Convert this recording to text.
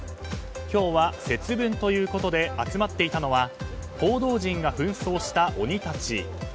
今日は節分ということで集まっていたのは報道陣が扮装した鬼たち。